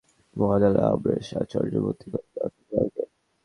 বেড়া পৌর এলাকার দক্ষিণপাড়া মহল্লার অমরেশ আচার্য ভর্তি করিয়েছেন তাঁর অসুস্থ বাবাকে।